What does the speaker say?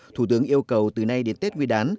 thủ tướng yêu cầu từ nay đến tết nguyên đán